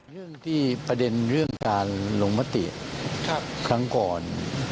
เรื่องที่ประเด็นเรื่องการลงมติครั้งก่อน